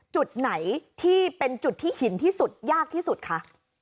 จุดไหนที่เป็นจุดที่หินที่สุดยากที่สุดคะ